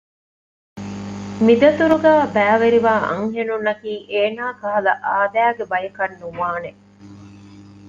މި ދަތުރުގައި ބައިވެރިވާ އަންހެނުންނަކީ އޭނާ ކަހަލަ އާދައިގެ ބަޔަކަށް ނުވާނެ